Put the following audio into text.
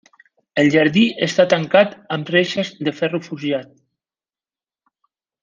El jardí està tancat amb reixes de ferro forjat.